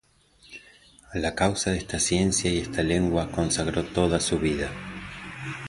A la causa de esta ciencia y esta lengua consagró toda su vida.